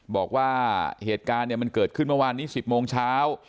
บอกว่าเหตุการณ์มันเกิดขึ้นเมื่อวานนี้๑๐โมงเช้า